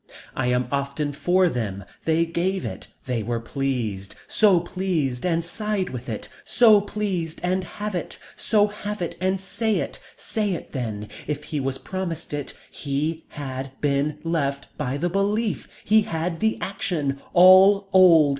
I am often for them. They gave it. They were pleased. So pleased and side with it. So pleased and have it. So have it and say it. Say it then. If he was promised, it, he had been left by the belief. He had the action. All old.